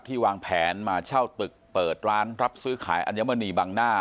วางแผนมาเช่าตึกเปิดร้านรับซื้อขายอัญมณีบางหน้า